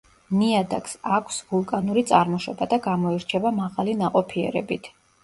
ნიადაგს აქვს ვულკანური წარმოშობა და გამოირჩევა მაღალი ნაყოფიერებით.